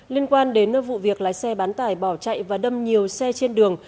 liên quan đến vụ việc lái xe bán tải bỏ chạy và đâm nhiều xe trên đường